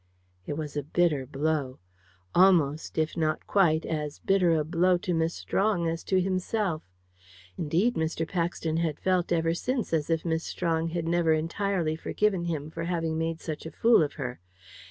It was a bitter blow. Almost, if not quite, as bitter a blow to Miss Strong as to himself. Indeed, Mr. Paxton had felt ever since as if Miss Strong had never entirely forgiven him for having made such a fool of her.